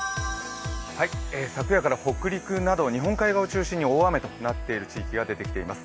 昨夜から北陸など日本海側を中心に大雨となっている地域が出てきています。